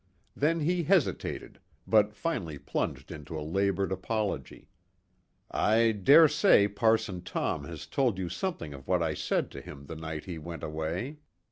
Then he hesitated, but finally plunged into a labored apology. "I dare say Parson Tom has told you something of what I said to him the night he went away.